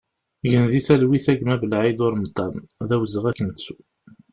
Gen di talwit a gma Belaïd Uremḍan, d awezɣi ad k-nettu!